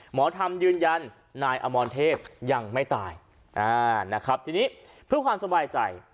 หมอธรรมยืนยันนายอมรเทพยังไม่ตายนะครับทีนี้เพื่อความสบายใจ